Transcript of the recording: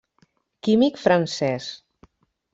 Químic francès.